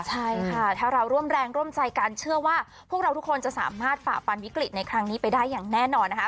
ใช่ค่ะถ้าเราร่วมแรงร่วมใจกันเชื่อว่าพวกเราทุกคนจะสามารถฝ่าฟันวิกฤตในครั้งนี้ไปได้อย่างแน่นอนนะคะ